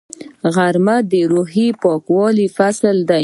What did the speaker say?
غرمه د روحي پاکوالي فصل دی